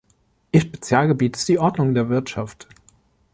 Ihr Spezialgebiet ist die „Ordnung der Wirtschaft“.